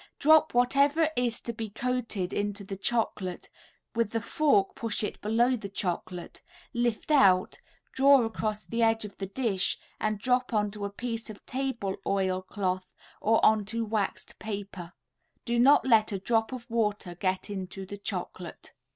Drop whatever is to be coated into the chocolate, with the fork push it below the chocolate, lift out, draw across the edge of the dish and drop onto a piece of table oil cloth or onto waxed paper. Do not let a drop of water get into the chocolate.